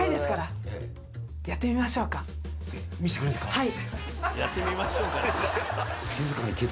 はい。